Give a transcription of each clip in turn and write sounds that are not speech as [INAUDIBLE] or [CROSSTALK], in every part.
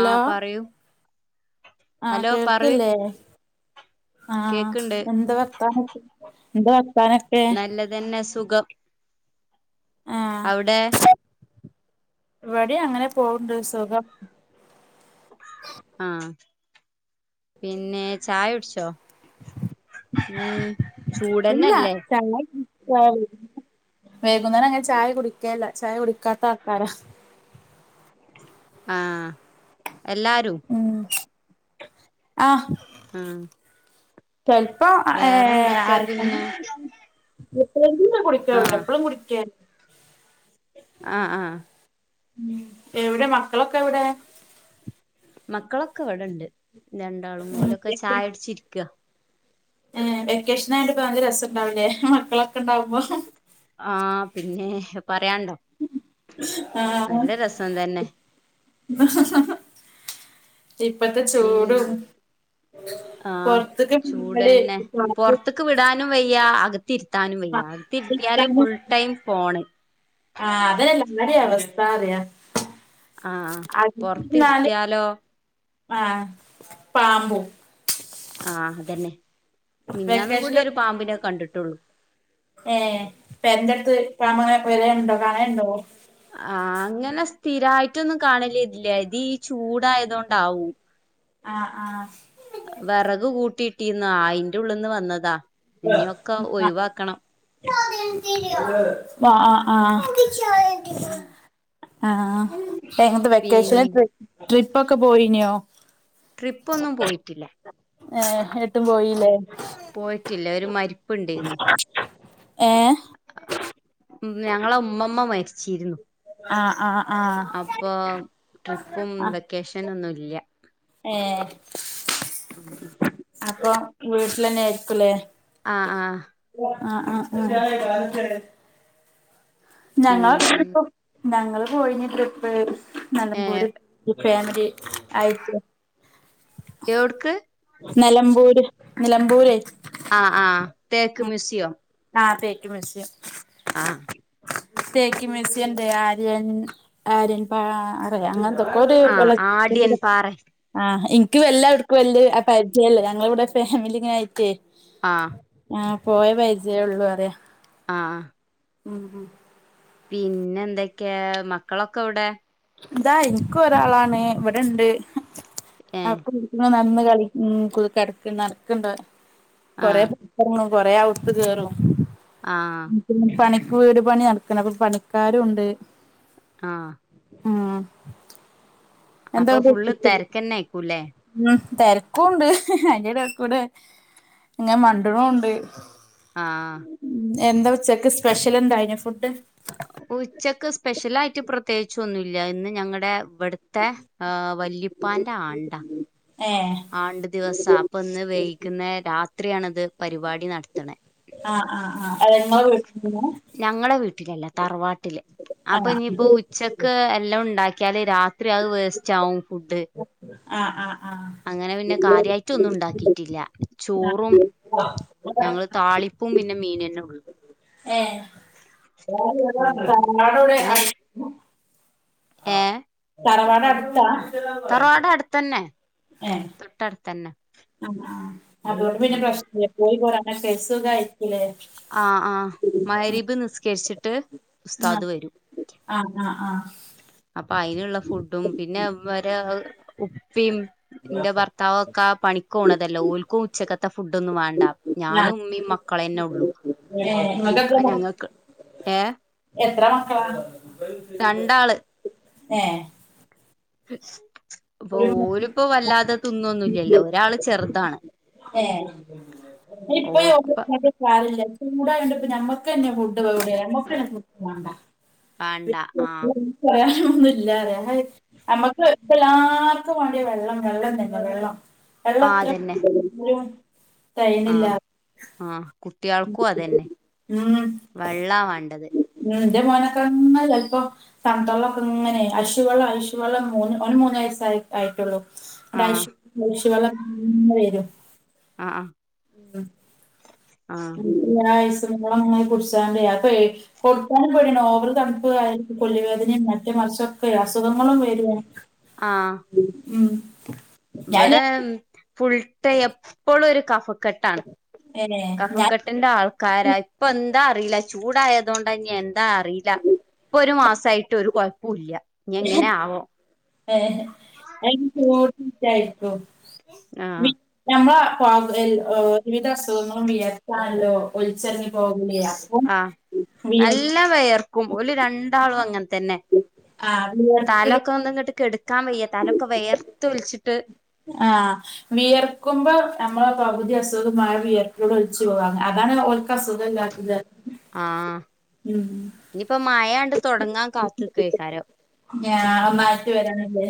ആ പറയൂ ആ ഹലോ പറയ് കേൾക്കില്ലേ ആആഹ് കേക്ക്ണ്ട് എന്ത്‌ വർത്താനൊക്കെ എന്ത [UNINTELLIGIBLE] നല്ലതന്നെ സുഖം അവ്ടേ ഇവടീം അങ്ങനെ പോകുണ്ട് സുഖം ആ പിന്നെ ഛായൊട്ച്ചോ മ്മ് ചൂടന്നല്ലേ ഞാനും വേകുന്നേരം അങ്ങനെ ഛായ കുടിക്കേല്ല ഛായ കുടിക്കാത്ത ആൾക്കാരാഹ് ആഹ് എല്ലാരു ആഹും മ്മ് ചെലപ്പോ ഏ ആരൊപ്പം പിന്നെ [INAUDIBLE] [UNINTELLIGIBLE] ആഹ് എപ്പളും കുടിക്കാൻ ആഹ് ആഹ്‌ ഉം എവിടെ മക്കളൊക്കെ എവിടെ മക്കളൊക്കെവ്ടണ്ട് രണ്ടാളും ഉം മുലൊക്ക ചായുടിച്ചിരിക്കാ ഏഹ് വെക്കേഷൻ ആയിട്ട് ഇപ്പ നല്ല രസം ഉണ്ടാവും അല്ലെ ആഹ് പിന്നേ പറയാണ്ടോ ആഹ് നല്ല രസം തന്നെ ഇപ്പത്തെ പിൻ ചൂടും ആഹ് പൊറത്ത് മഴ ചൂടന്നെ [UNINTELLIGIBLE] [UNINTELLIGIBLE] ത്താനും വയ്യ ആതിരുത്തിയാല് ഫുൾ ടൈം ഫോണ് ആഹ് [UNINTELLIGIBLE] അവസ്ഥ പറയ ആ പൊറത്തിരുത്തിയാലോ ആ പാമ്പും ആ അതന്നെ മിഞ്ഞാന്നും കൂടി ഒരു പാമ്പിനെ കണ്ടിട്ടോളൂ [INAUDIBLE] ഏ പേരിൻ്റെ അടുത്ത [UNINTELLIGIBLE] ആ അങ്ങനെ സ്ഥിരായിട്ടൊന്നും കാണല് ല്ല ഇത് ഈ ചൂടായതോണ്ടാവും ആഹ് ആ വെറക് കൂട്ടിയിട്ടിന്ന് ആയിന്റ് ഉള്ളിന്ന് വന്നതാ ഇഞ്ഞൊക്കെ ഒയിവാക്കണം അ ആ ഹ് ആഹ് [INAUDIBLE] ആഹ് പിൻ വെക്കേഷനാൽ ട്രൈ ട്രിപ്പ് ഒക്കെ പോയിനിയോ ട്രിപ്പ് ഒന്നും പോയിട്ടില്ല ഏ ഏട്ടും പോയില്ലേ രു മരിപ്പ് ണ്ടേയിരുന്നു ഏഹ് ഉം ഞങ്ങള ഉമ്മമ്മ മരിചീർന്നു ആഹ് ആഹ് ആഹ് അപ്പൊ ട്രിപ്പും ആഹ് വെക്കേഷന് ന്നും ല്ല ഇല്ല ഏഹ് ആഹ് അപ്പൊ വീട്ടിലന്നെയായിരിക്കുലേ ആഹ് ആഹ് ആഹ് ആ ആഹ് ഞങ്ങള പിന്നെ [UNINTELLIGIBLE] ഞങ്ങള് പോയിനി ട്രിപ്പ് നിലമ്പൂര് ഏഹ് ഫാമിലി ആയിട്ട് എവിട്ക്ക് നിലമ്പൂര് നിലമ്പൂരേ ആ ആ തേക്ക് മ്യൂസിയം [UNINTELLIGIBLE] ആഹ് തേക്ക് മ്യൂസിയം ഉണ്ട് ആര്യൻ ആര്യൻ പാറയോ അങ്ങ കോ ആഹ് ആടിയൻ പാറ ആഹ എനിക്ക് വല്ല അവിട്ക് പരിചയല്ല ഞങ്ങള കൂടെ ഫാമിലി ഇങ്ങനെ ആയിട്ടേ ആ ആഹ പോയേ പരിജയം ഉള്ളു പറയ ആ മം മം പിന്നെ എന്തൊക്കെയാ മക്കളൊക്കെ എവിടെ ഇതാ എനിക്കും ഒരാളാണ് ഇവിടുണ്ട് ഏഹ് ആക്ക ന കള ഉതുക്കടക്ക നടക്ക്ണ്ട കൊറെ ആഹ് കൊറേ അകത്തു കയറും ആഹ് പിന്നെ പണി വീട് പണി നടക്കണത് പണിക്കാരും ഉണ്ട് ആ മം അപ്പൊ ഫുള്ള് തിരക്ക് തന്നെ ആയിരിക്കും ല്ലേ മം തിരക്കും ഉണ്ട് അതിന്റെ ഇടേക്കൂടെ ഇങ്ങനെ മണ്ട്ണും ഉണ്ട് ആ എന്താ ഉച്ചക്ക് സ്പെഷ്യൽ ഉണ്ടായിന്ന് ഫുഡ് ഉച്ചക്ക് സ്പെഷ്യല് ആയിട്ട് പ്ര പ്രത്യേകിച്ചൊന്നുമില്ല ഇന്ന് ഞങ്ങളുടെ ഇവിടുത്തെ ആ വല്ലിപ്പാന്റെ ആണ്ടാ ഏ ആണ്ടു ദിവസാ അപ്പൊ ഇന്ന് വൈകുന്നേ രാത്രിയാണത് പരിപാടി നടത്തണ് ആ ആ ആ അതെങ്ങോ വീ [UNINTELLIGIBLE] ഇതല്ല തറവാ അപ്പൊ ഇനിപ്പോ ഉച്ചക്ക് എല്ലാം ഉണ്ടാക്കി കേ രാത് ഇത്ര അത് വേസ്റ്റ് ആകും ഫുഡ് ആഹ് ആഹ് ആഹ് അങ്ങനെ പിന്നെ കാര്യമായിട്ട് ഒന്നും ഉണ്ടാക്കിട്ടില്ല ചോറും ഞങ്ങള് താളിപ പിന്നെ മീനല്ലാം ഉ ഏഹ് ഉം പിന്നെ [UNINTELLIGIBLE] ആ ഏ തറവാട് അടുത്ത തറവാട് അടുത്തന്നെ ഏ തൊട്ടടുത്തന്നെ ആ ആ അതുകൊണ്ട് പിന്നെ പ്രശ്നല്ല പോയി പോരാൻ [UNINTELLIGIBLE] ആ ആഹ് മഗ്‌രിബ് നിസ്കരിച്ചിട്ട് ട്ട് ആഹ് ആഹ് ആഹ് ആഹ് അപ്പൊ അതിനുള്ള ഫുഡും പിന്നെ വര വ ഉപ്പിം എന്റെ ഭർത്താവ് ഒക്കെ ആ പണിക്ക്‌ പോക്ണതല്ലേ ഓൽക്കും ഉച്ചക്കെത ത്തെ ഫുഡ് ഒന്നും വേണ്ട ആ ഞാനും ഉമ്മയും മക്കളന്നെ ഒള്ളു ഏ നിങ്ങക്കെത്ര മ ഞങ്ങക്ക് ഏ എത്ര മക്കളാ ശ് രണ്ടാള് ഏഹ് ശ് അപ്പൊ ഓരിപ്പോ വല്ലാതെ തിന്നൊന്നുംല്ലല്ലോ ഒരാള് ചെറുതാണ് ഏ ഇപ്പ ഓൾക്കിപ്പ [UNINTELLIGIBLE] നമ്മക്ക് തന്നെ വേണ്ട ആഹ് [UNINTELLIGIBLE] ഒന്നുംല്ലല്ലേ നമ്മക്ക് ഇപ്പോ എല്ലാർക്കും വേണ്ടിയ വെള്ളം വെള്ളം തന്നെ വെള്ളം വെള്ളം ആ എത്ര അതന്നെ [UNINTELLIGIBLE] ആഹ് ആഹ് കുട്ടികൾക്കും അതന്നെ ഉം വെള്ളാ വേണ്ടത് ഉം എന്റെ മോനൊക്കെ ഇങ്ങനെ ചിലപ്പോ തണുത്ത വെള്ളൊക്കെ ഇങ്ങനെ ഐഷു വെള്ളം ഐഷു വെള്ളം ഓന് മൂന്ന് വയസായിട്ടൊള്ളു ആഹ് ഐഷ് ഐഷു വെള്ളം [UNINTELLIGIBLE] വരും ആഹ് ആഹ് ഉം [UNINTELLIGIBLE] [UNINTELLIGIBLE] അങ്ങനെ കുടിച്ചാലെ അപ്പൊ കൊടുത്താനും പേടിയാണ് ഓവർ തണുപ്പ് ആയിരിക്കും കൊല്ലുവേദനിം മറ്റേ മറിച്ചൊക്കെ അസുഖങ്ങളും വരും ആഹ് മ്മ് [INAUDIBLE] ഇവിടെ ഫുൾ ട്ടൈ എപ്പോഴും ഒരു കഫ ക്കെട്ടാണ് ഏഹ് ഞാൻ കഫക്കെട്ടിന്റെ ആൾക്കാരാ ഇപ്പ എ ന്താ അറിയില്ല ചൂടായതോണ്ടന്ന്യൻ ന്താ അറിയില്ല ഇപ്പൊ ഒരു മാസ സായിട്ടൊരു കൊയപ്പോ ഇല്ല്യ [UNINTELLIGIBLE] ട്ടും ആഹ് വി നമ്മ കാ [UNINTELLIGIBLE] ഏ ഏത് അസുഖങ്ങളും വിയർത്താണല്ലോ ഒലിച്ചറങ്ങി ആ നല്ല വെയർക്കും ഓല് രണ്ടാളും അങ്ങന തന്നെ ആ വിയർപ്പില് താലൊക്കെ ഒന്നങ്ങിട്ട് കെട ക്കാൻ വയ്യ തലൊക്കെ വെയർത്ത് ഒലിച്ചിട്ട് ആഹ് വിയർക്കുമ്പോ നമ്മള പകുതി അസുഖുംമാ വിയർപ്പിലൂടെ ഒലിച്ചു പോകും അ അതാണ് ഓല് ക്കാ സുഖല്ലാത്തത് ആഹ് ഉം ഇനിയിപ്പോ മഴാണ്ട് തുടങ്ങാൻ കാത്ത്ക്കേക്കാരം ഞാ നാട്ടി വരാനല്ലേ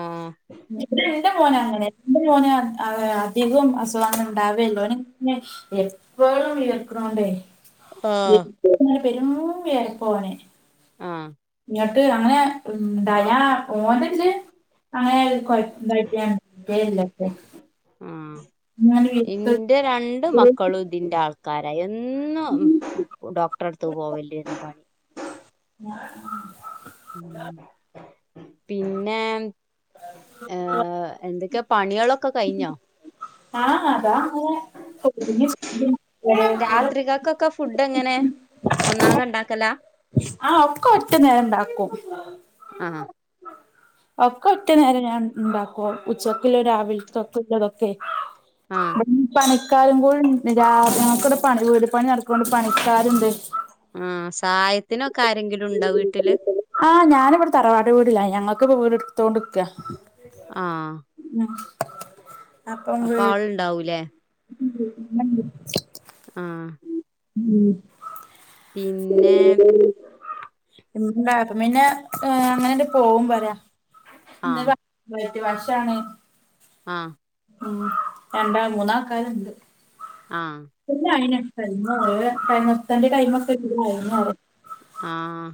ആഹ് ന്റെ മോനങ്ങനാ യോന് അ ആ അധികം അസുഖം അങ്ങനെ ഉണ്ടാവെല്ലോന് എപ്പോഴും വിയർക്കൊണോണ്ടേ ആഹ് പെരിങ്ങൂം വിയർപ്പോനെ ആഹ് ഞട്ട് അങ്ങനെ ഉം ണ്ടായ ഓൻ്റെതില് അങ്ങനെ കൊയപ്പം [UNINTELLIGIBLE] ആഹ് ഇന്റെ രണ്ട് മക്കളും ഇതിന്റെ ആൾക്കാ ണ്ടായാ എന്നും ഉം ഡോക്ടറെടുത്ത് പോവലന്നെ പണി ഉം പിന്നെ ഏ എന്തെക്കെ ആഹ് അതാ അങ്ങനെ [UNINTELLIGIBLE] രാത്രിക്കൊക്കെക്ക ഫുഡ് എങ്ങനെ ഒന്നാകെ ഇണ്ടാക്കലാ ആഹ് ഒക്ക ഒറ്റ നേരം ഇണ്ടാക്കും ആഹ് ഒക്കെ ഒറ്റ നേരം ഞാൻ ഇണ്ടാക്കും ഉച്ചക്ക്ല്ലതും രാവിൽക്കൊക്കെ ഉള്ളതൊക്കെ ആഹ് ബട്ന്ന് പണി ക്കാരും കൂടിണ്ട് [UNINTELLIGIBLE] ഇവിടെ പണി വീട് പണി നടക്കോണ്ട് പണിക്കാര്ണ്ട് ആഹ സഹായത്തിനൊക്കെ ആരെങ്കിലും ഉണ്ടോ വീട്ടില്? ആ ഞാനിവിടെ തറവാട് വീടിലായി ഞങ്ങൾക്ക്പ്പം വീട് എടുത്തൊണ്ട്ക്ക ആഹ് അപ്പൊ ആൾണ്ടാവൂലേ ഉ നന്ദി ആ ഉം [INAUDIBLE] [UNINTELLIGIBLE] പിന്നെ അങ്ങനെ പോവും പറയാ ആഹ് [UNINTELLIGIBLE] [UNINTELLIGIBLE] വശാണ് ആഹ് ഉ രണ്ടാ മൂന്നാക്കാര് ഇണ്ട് ആഹ് പിന്നെ ആയിന. സെൽമു [UNINTELLIGIBLE] തന്റെ കൈമക്കായിരുന്നു [INAUDIBLE] [INAUDIBLE] [UNINTELLIGIBLE] ആഹ്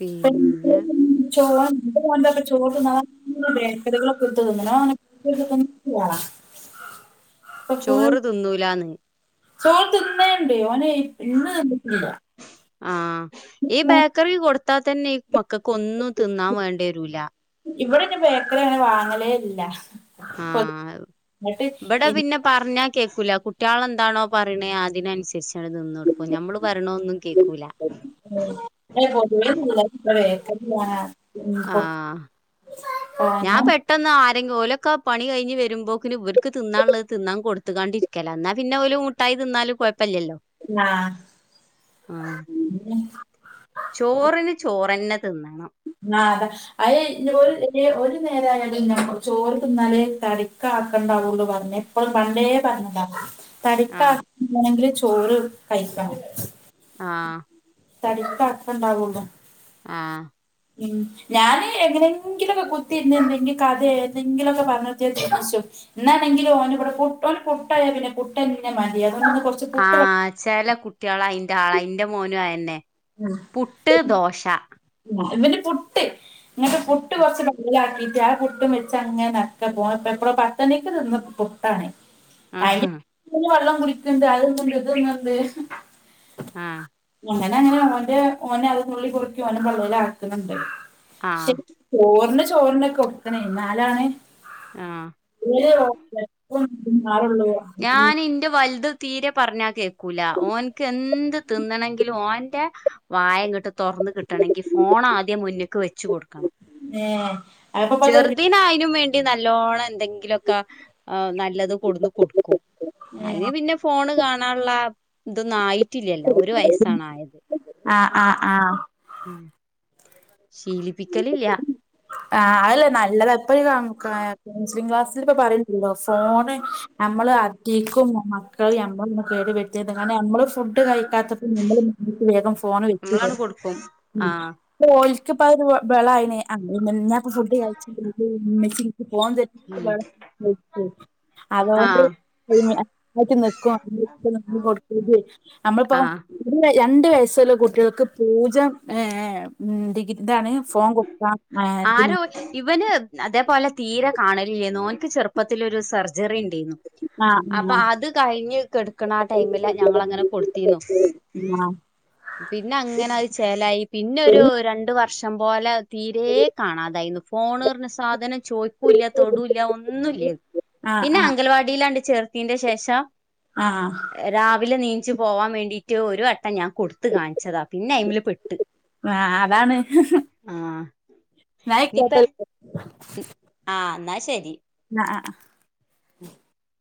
പിന്നെ ക്ക ചോട്ടന്ന [UNINTELLIGIBLE] ഫുൾ ചോറു തിന്നൂലാന്ന്. ചോറ് തിന്നേണ്ടേ ഓനെ ഇന്ന് തിന്നില്ല ആഹ് ഈ ബേക്കറി കൊടു ത്താ തന്നെ ഈ മക്കൾക്ക് ഒന്നും തിന്നാൻ വേണ്ട വരൂല. ഇവിടെന്ന ബേക്കറി അങ്ങനെ വാങ്ങലേ ഇല്ല. ആഹ പൊതുവെ ഇവിടെ എന്നിട്ട് പിന്നെ പറഞ്ഞ കേൾക്കൂല കുട്ടിആള്ന്താണോ പറയണേ അതിനനുസരിച്ച് നിന്ന കൊടുക്ക നമ്മള് വരണൊന്നും കേൾക്കൂല ഏ പൊതുവേ പിള്ളേർക്ക് ബേക്കറിയാ ഉം കൊടു ആഹ. ഞാൻ കാരണം പെട്ടെന്ന്. ആരെങ്കിലുംഓലൊക്കെ പണി കഴിഞ് വരുമ്പോക്കന് ഇവർക്ക് തിന്നാനുള്ളത് തിന്നാ കൊട്ത്കാണ്ടിരിക്കല എന്നാ പിന്നെ ഓലും മുട്ടായി തിന്നാലും കുഴപ്പമില്ലല്ലോ ആഹ് ആഹ് [INAUDIBLE] ചോറിന് ചോറന്നെ. തിന്നണം ആഹ് അയെ അത് ഒരു നേരായാലും ചോറ് തിന്നാലേ തടിക്ക ആക്കണ്ട അവോള് പറഞ്ഞ എപ്പോഴും കണ്ടേ പറഞ്ഞതാ തറിക്ക ആഹ് കൃച് [UNINTELLIGIBLE] ചോറ് കഴിക്ക ആഹ് തടി ക്ക്‌ അർത്ഥമുണ്ടക്കൊള്ളൂ ആഹ് ഉം ഞാന് എങ്ങനെങ്കിലൊക്കെ കുത്തിന്ന് എന്തെങ്കിൽ കഥയ എന്തെങ്കിലൊക്കെ പറഞ്ഞ ചോദിച്ചു ശോ എന്നാനെങ്കിലും ഓനിവടെ കൂടെ പുഓ പുട്ടായ പിന്നെ പുട്ട് എന്നെ മതി [UNINTELLIGIBLE] ആഹ് ചെല കുട്ടികളായി ന്റാള എന്റെ മോനും ആയെന്നെ പുട്ട് ദോശ ആ ഇവന്റെ പുട്ടി ഇങ്ങിട്ട് പുട്ട് കുറച്ച് ബേയ്ലാക്കി ആ പുട്ടും വെച്ചങ്ങനെനൊക്കെ പോയപ്പ എപ്പഴ പത്തണിക്ക് തിന്ന പുട്ടാണേ അ ആഹ് [UNINTELLIGIBLE] ത്കുളിക്കണ്ട് [UNINTELLIGIBLE] ആഹ് അങ്ങനെ അങ്ങനെ ന്റെ ഓനെ അതിനുള്ളി പോയി ഓനും പള്ളിൽ ആക്കുന്നുണ്ട് ശ ആഹ് ഓർന്ന് ചോറിന്റൊക്കെ ഒക്കണേ ന്നാലാണ് ആഹ് [UNINTELLIGIBLE] [UNINTELLIGIBLE] ഞാൻ ഇന്റെ വലുത് തീരെ പറഞ്ഞാൽ കേക്കൂല ഓൻക്ക് എന്ത് തിന്നണങ്കിലും ഓന്റെ വായങ്കട്ട് തൊറന്ന് കിട്ടണങ്കിൽ ഫോൺ ആദ്യം മുന്നേക്ക് വെച്ച് കൊടുക്കണം ഏ അതൊക്കെ ഇപ്പത് ചെറുദിനായിനും വേ നല്ലോണം എന്തെങ്കിലുഒക്കെ നല്ലത് കൊട് ഏ അയിന് പിന്നെ ഫോണ് കാണാനുള്ള ഇതൊന്നും ആയിടറ്റില്ലല്ലോ ഒരു വയസാണ് ആയത് ആ ആ ആ ശീലിപ്പിക്കലില്യാ ആ അല്ലേ നല്ലത് എപ്പഴും ക ക കൗൺസിലിംഗ് ക്ലാസ്സിൽ ഇപ്പ പറയില്ലല്ലോ ഫോണ് നമ്മള് അധിക്കും മ മക്കളിയാമ്പം നമ്മള് ഫു ട്ട് കഴിക്കാത്തപ്പോ നമ്മ വേഗം ഫോൺ നമ്മളാണ് കൊടുക്കും ആഹ് വോയിസ് പ്പ ഒരു വെള അയിനെ ആഹ് [UNINTELLIGIBLE] ഫുഡ് കഴിച്ച് ഉം അതൊണ്ട് ആഹ് നുംടു നിക്കു നമ്മളിപ്പോ ആഹ് [UNINTELLIGIBLE] രണ്ട് വയസ്സുള്ള കുട്ടികൾക്ക് പൂജ ഏഹ് ഉം ഡിഗന്റൊണ് ഫോം കൊടുക്കുക ആരോ ഇവന് അതേപോലെ തീരെ കാണലില്ലേന്നു. ഓൻക്ക് ചെറുപ്പത്തിലൊരു സെർ ജെറി ണ്ടേയ്ന്നു. അപ്പ ആഹ് ആഹ് അത് കഴിഞ്ഞ്‌ കെട്ക്ക്ണ ആ ടൈമിലാ ഞങ്ങള്ങ്ങനെ കൊട്ത്തീന്നു. പിന്നെ അങ്ങനെ അത് ചേലായി. പിന്നൊരു രണ്ട് വർഷം ഇഷ്ടം പോലെ തീരെ. കാണാതായിന്നു. ഫോണ്റ്ഞ്ഞ സാധനം ചോയിക്കൂല്ല, തൊടൂല്ല, ഒന്നുല്ല യിരുന്നു. ആഹ് പിന്നെ, ആഹ് അങ്കൻവാടിയിലാണ്ട്. ചേർത്തിന്റെ ശേഷം. ആഹ് ആഹ് രാവിലെ നീ ഇച്ച് പോവാ വേണ്ടിയിട്ട്. ഒരു. ഞാൻ കൊടുത്ത കാണിച്ചതാ പിന്നെ ഐമില് പെട്ട് ആഹ് ആഹ്. ഇന്നാ അയി ഇനിപ്പ ക്കോട്ടെ. ആഹ്, ന്നാ ശരി. ആഹ്. [INAUDIBLE]